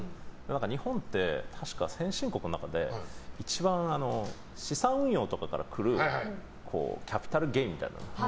日本って確か先進国の中で一番資産運用とかからくるキャピタルゲインみたいな。